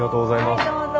はいどうぞ。